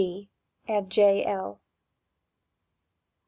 B—, AND J. L—.